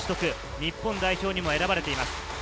日本代表にも選ばれています。